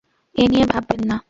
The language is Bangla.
এ নিয়ে ভাববেন না।